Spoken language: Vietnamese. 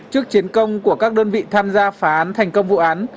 trước chiến công của các đơn vị tham gia phá án thành công vụ án